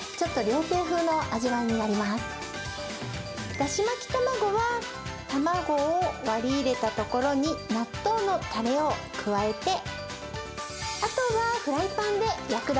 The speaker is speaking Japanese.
だし巻き卵は卵を割り入れたところに納豆のたれを加えてあとはフライパンで焼くだけです。